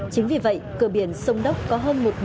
chính vì vậy cửa biển sông đốc có hành động đối tượng